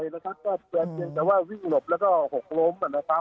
ยังจะว่าวิ่งหลบแล้วหกล้ม